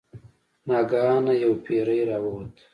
ناګهانه یو پیری راووت.